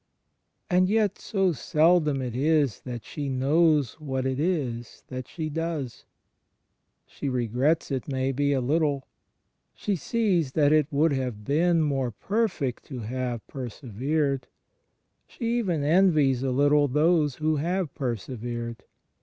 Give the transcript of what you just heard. And yet so seldom it is that she knows what it is that she doesl She regrets it, maybe, a little; she sees that it would have been more perfect to have persevered; she even envies, a little, those who have persevered.